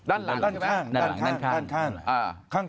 ด้านข้าง